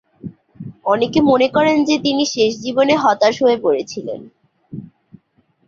অনেকে মনে করেন যে তিনি শেষ জীবনে হতাশ হয়ে পড়েছিলেন।